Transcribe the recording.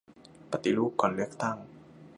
ปฏิรูปก่อนเลือกตั้ง